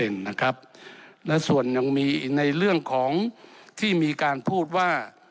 และส่วนยังมีในเรื่องของที่มีการพูดว่า